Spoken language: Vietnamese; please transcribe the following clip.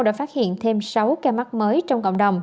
đã phát hiện thêm sáu ca mắc mới trong cộng đồng